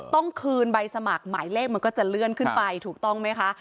ต้องคืนใบสมัครหมายเลขมันก็จะเลื่อนขึ้นไปถูกต้องไหมคะ